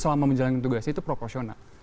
selama menjalankan tugas itu proporsional